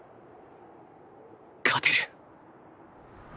勝てる！